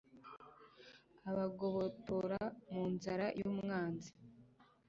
abagobotora mu nzara z’umwanzi